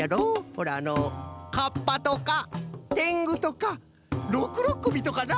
ほらあのかっぱとかてんぐとかろくろっくびとかな。